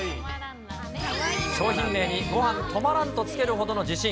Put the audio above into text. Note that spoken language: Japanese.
商品名にごはんとまらんと付けるほどの自信。